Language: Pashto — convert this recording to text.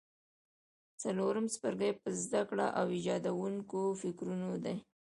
څلورم څپرکی په زده کړه او ایجادوونکو فکرونو دی.